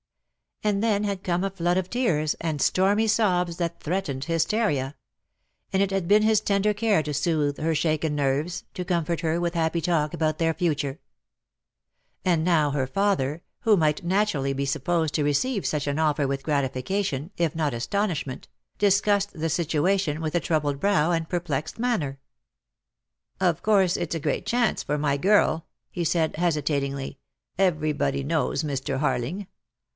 And then had come a flood of tears, and stormy sobs that threatened hysteria; and it had been his tender care to soothe her shaken nerves, to comfort her with happy talk about their future. And now her father, who might naturally be sup posed to receive such an offer with gratification, if not astonishment, discussed the situation with a troubled brow and perplexed manner. "Of course it's a great chance for my girl," he said, hesitatingly, "everybody knows Mr. Harling.